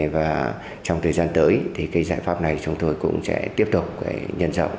và trong thời gian tới thì cái giải pháp này chúng tôi cũng sẽ tiếp tục nhân rộng